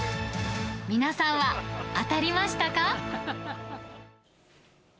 皆さんは当たりましたか？